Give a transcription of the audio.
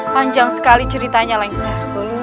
panjang sekali ceritanya lengser